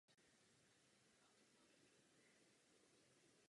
Stejným způsobem jsme posílili sousedské vztahy.